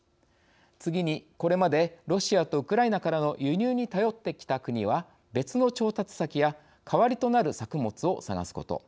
次に、これまで、ロシアとウクライナからの輸入に頼ってきた国は、別の調達先や代わりとなる作物を探すこと。